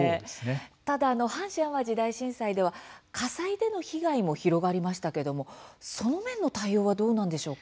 ただ、阪神・淡路大震災では火災での被害も広がりましたけどもその面の対応はどうなんでしょうか？